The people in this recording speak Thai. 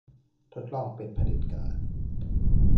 ทดลองเป็นเผด็จการ